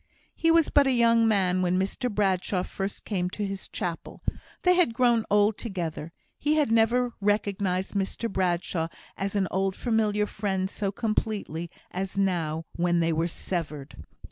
He was but a young man when Mr Bradshaw first came to his chapel; they had grown old together; he had never recognised Mr Bradshaw as an old familiar friend so completely as now when they were severed.